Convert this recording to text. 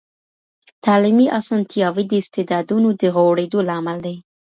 تعلیمي اسانتیاوي د استعدادونو د غوړېدو لامل دي.